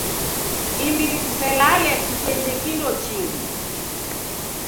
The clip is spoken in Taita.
Imbiri kuselale kuseje kindo chingi.